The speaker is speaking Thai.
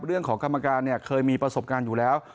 เรื่องของกรรมการเนี่ยเคยมีประสบการณ์อยู่แล้ว